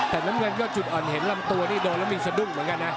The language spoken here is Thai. แต่น้ำเงินยอดจุดอ่อนเห็นลำตัวนี่โดนแล้วมีสะดุ้งเหมือนกันนะ